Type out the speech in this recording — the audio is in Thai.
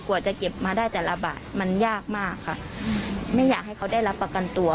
จะเก็บมาได้แต่ละบาทมันยากมากค่ะไม่อยากให้เขาได้รับประกันตัว